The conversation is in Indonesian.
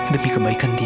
demi kebaikan dia